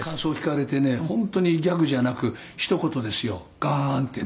本当にギャグじゃなくひと言ですよがーんってね」